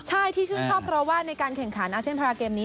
ใช่ที่ชื่นชอบเพราะว่าในการแข่งขันอาเซียนพาราเกมนี้